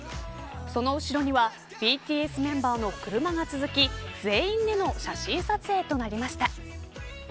その後ろにはＢＴＳメンバーの車が続き全員での写真撮影となりました。